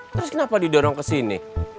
terus kenapa didorong kesini